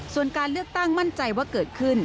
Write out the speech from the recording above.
ส่วนการเลือกตั้งมั่นใจว่าเกิดขึ้น